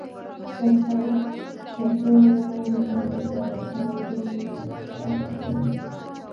پر سړک پرتو واورو باندې د ټایرو نښې ښکارېدې.